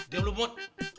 diam lo mut